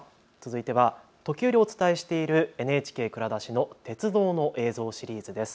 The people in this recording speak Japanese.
続いては時折お伝えしているＮＨＫ蔵出しの鉄道の映像シリーズです。